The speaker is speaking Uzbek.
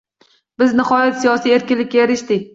Biz, nihoyat, siyosiy erkinlikka erishdik